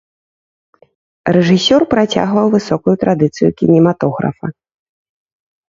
Рэжысёр працягваў высокую традыцыю кінематографа.